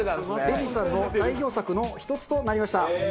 レミさんの代表作の１つとなりました。